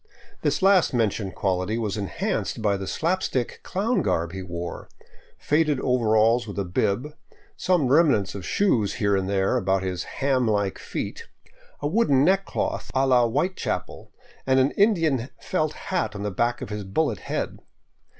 This last mentioned quality was enhanced by the slap stick clown garb he wore, — faded overalls with a bib, some remnants of shoes here and there about his ham like feet, a wooden neck cloth a la Whitechapel, and an Indian felt hat on the back of his bullet head.